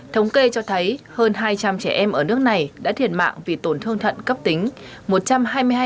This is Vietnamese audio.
thống kê cho thấy hơn hai trăm linh trẻ em ở nước này đã thiệt mạng vì tổn thương thận cấp tính